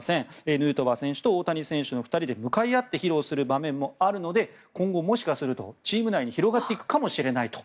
ヌートバー選手と大谷選手の２人で向かい合って披露する場面もあるので今後、もしかするとチーム内に広がっていくかもしれないと。